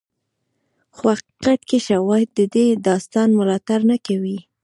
خو حقیقت کې شواهد د دې داستان ملاتړ نه کوي.